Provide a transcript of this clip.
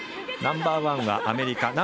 ナンバーワンはアメリカ。